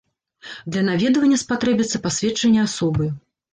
Для наведвання спатрэбіцца пасведчанне асобы.